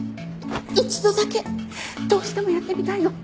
一度だけどうしてもやってみたいの。